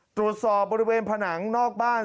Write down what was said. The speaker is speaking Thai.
ตรวจสอบบริเวณผนังนอกบ้าน